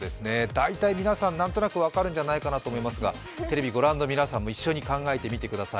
大体皆さん、なんとなく分かるんじゃないかなと思いますが、テレビご覧の皆さんも一緒に考えてみてください。